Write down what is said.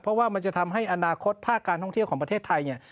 เพราะว่ามันจะทำให้อนาคตภาคการท่องเที่ยวของประเทศไทยเนี่ย